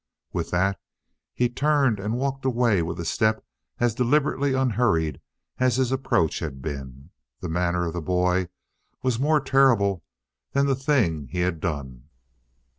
With that he turned and walked away with a step as deliberately unhurried as his approach had been. The manner of the boy was more terrible than the thing he had done.